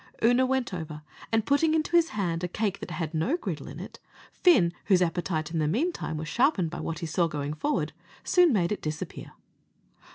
Oonagh went over, and putting into his hand a cake that had no griddle in it, Fin, whose appetite in the meantime was sharpened by what he saw going forward, soon made it disappear.